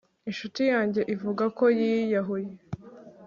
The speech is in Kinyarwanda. Inshuti yanjye ivuga ko yiyahuye